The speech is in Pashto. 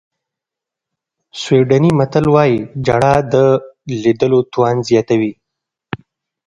سویډني متل وایي ژړا د لیدلو توان زیاتوي.